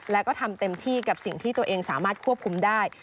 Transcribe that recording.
แล้วก็ทำเต็มที่กับสิ่งที่ตัวเองสามารถควบคุมได้